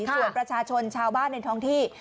ส่วนประชาชนชาวบ้านในท้องที่